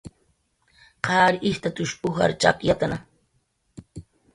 Qar ijtatush ujar chakyatna